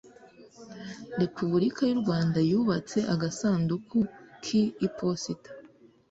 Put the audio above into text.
Repubulika y u Rwanda yubatse Agasanduku k Iposita